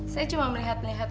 saya cuma melihat lihat